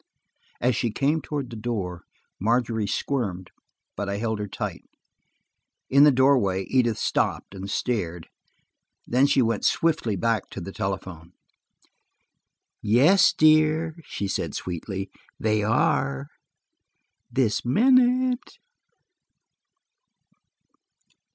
As she came toward the door, Margery squirmed, but I held her tight. In the doorway Edith stopped and stared; then she went swiftly back to the telephone. "Yes, dear," she said sweetly. "They are, this minute."